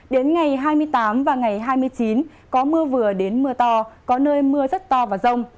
đến ngày hai mươi tám và ngày hai mươi chín có mưa vừa đến mưa to có nơi mưa rất to và rông